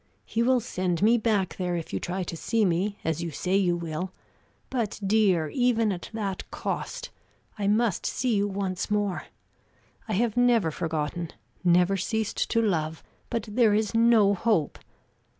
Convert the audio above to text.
He will send me back there if you try to see me, as you say you will, but dear, even at that cost I must see you once more. I have never forgotten, never ceased to love; but there is no hope!